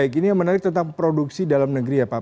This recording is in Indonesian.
baik ini yang menarik tentang produksi dalam negeri ya pak